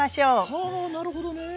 はあなるほどね！